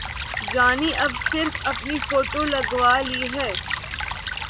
یعنی اب صرف اپنی فوٹو لگوا لی ہے۔